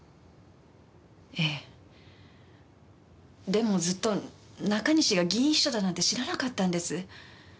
でもずっと中西が議員秘書だなんて知らなかったんです。